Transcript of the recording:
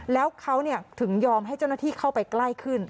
แล้วเขาถึงยอมให้เจ้าหน้าที่เข้าไปใกล้ขึ้น